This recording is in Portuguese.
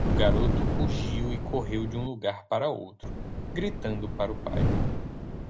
O garoto rugiu e correu de um lugar para outro, gritando para o pai.